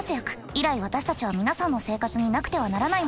以来私たちは皆さんの生活になくてはならないものでした。